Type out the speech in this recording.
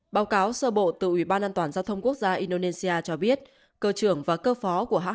báo cáo sơ bộ từ ủy ban an toàn giao thông quốc gia indonesia cho biết cơ trưởng và cơ phó của hãng